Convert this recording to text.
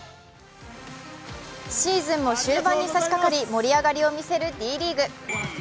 シーズンも終盤にさしかかり盛り上がりを見せるＤリーグ。